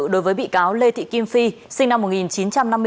đối với bị cáo lê thị kim phi sinh năm một nghìn chín trăm năm mươi bốn